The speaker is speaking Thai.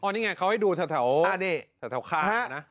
อ๋อนี่ไงเขาให้ดูทะเถาทะเถาข้างนะ